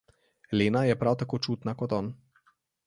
Lena je prav tako čutna kot on.